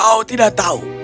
apakah kau tidak tahu